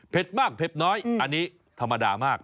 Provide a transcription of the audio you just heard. มากเผ็ดน้อยอันนี้ธรรมดามาก